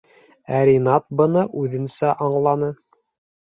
Ә Ринат быны үҙенсә аңланы: